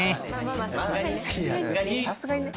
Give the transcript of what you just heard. まださすがにね。